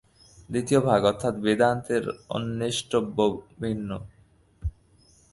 দ্বিতীয় ভাগ অর্থাৎ বেদান্তের অন্বেষ্টব্য ভিন্ন।